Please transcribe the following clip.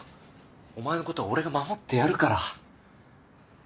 お前のことは俺が守ってやるから